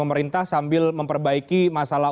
pemerintah sambil memperbaiki masalah